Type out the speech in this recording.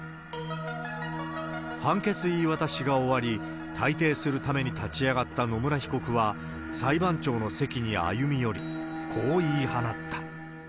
判決言い渡しが終わり、退廷するために立ち上がった野村被告は、裁判長の席に歩み寄り、こう言い放った。